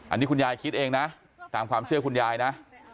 อันนี้คุณยายคิดเองนะตามความเชื่อคุณยายนะ